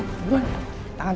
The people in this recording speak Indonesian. hanya untuk membangunmu